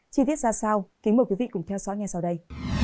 chi tiết ra sao kính mời quý vị cùng theo dõi ngay sau đây